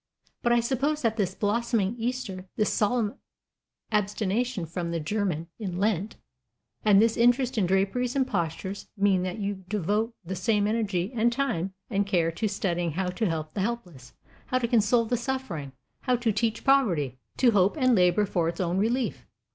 But I suppose that this blossoming Easter, this solemn abstention from 'the German' in Lent, and this interest in draperies and postures, mean that you devote the same energy and time and care to studying how to help the helpless, how to console the suffering, how to teach poverty to hope and labor for its own relief.